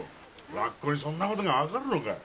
ラッコにそんなことが分かるのか。